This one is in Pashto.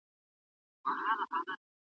پړ مي که مړ مي که